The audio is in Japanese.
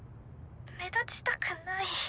目立ちたくない。